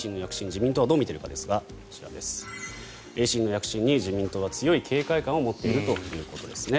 自民党はどう見ているかですが維新の躍進に自民党は強い警戒感を持っているということですね。